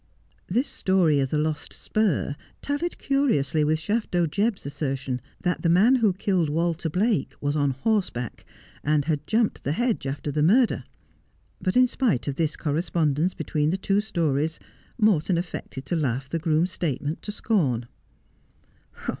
Tins story of the lost spur tallied curiously with Shafto Jcbb's assertion that the man who killed Walter Blake was on horseback, and had jumped the hedge after the murder. But, in spite of this correspondence between the two stories, Morton affected to laugh the groom's statement to scorn.